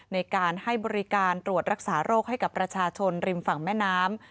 ในการให้บริการตรวจรักษาโรคให้กับประชาชนริมฝั่งแม่น้ำ